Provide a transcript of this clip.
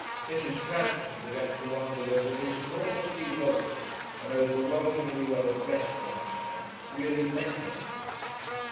Mrs. Frampton began to wonder whether this enormously wealthy and overwhelmingly well dressed young man really meant anything.